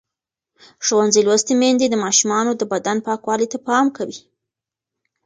ښوونځې لوستې میندې د ماشومانو د بدن پاکوالي ته پام کوي.